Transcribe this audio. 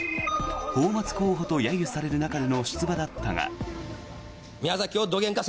泡まつ候補と揶揄される中での出馬だったが。